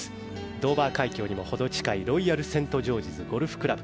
ドーバー海峡にもほど近いロイヤルセントジョージズゴルフクラブ。